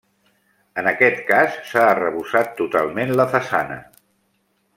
En aquest cas s'ha arrebossat totalment la façana.